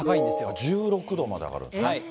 １６度まで上がるんですね。